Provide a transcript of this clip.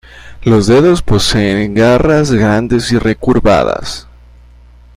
Los dedos poseen garras grandes y recurvadas.